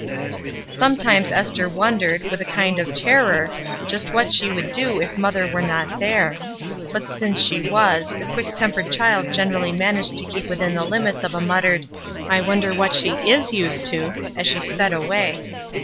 Sometimes Esther wondered, with a kind of terror, just what she would do if mother were not there; but since she was, the quick tem pered child generally managed to keep within the limits of a muttered ''I wonder what she is used to," as she sped away.